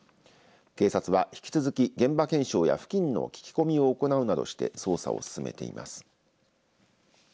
警察は引き続き現場検証や付近の聞き込みを行うなどして捜査を進めています。